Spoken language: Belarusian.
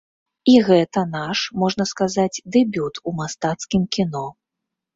І гэта наш, можна сказаць, дэбют у мастацкім кіно.